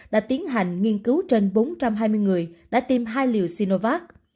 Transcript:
đã tiến hành nghiên cứu trên bốn trăm hai mươi người đã tiêm hai liều sinovac